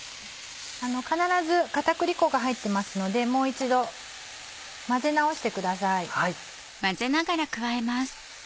必ず片栗粉が入ってますのでもう一度混ぜ直してください。